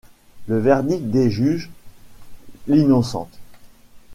Le verdict des juges l'innocente.